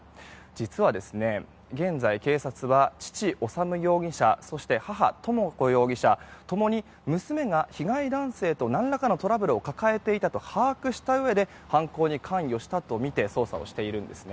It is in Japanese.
実は現在、警察は父・修容疑者そして母・浩子容疑者共に娘が被害男性と何らかのトラブルを抱えていたと把握したうえで犯行に関与したとみて捜査をしているんですね。